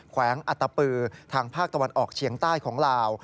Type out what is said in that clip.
แวงอัตตปือทางภาคตะวันออกเฉียงใต้ของลาว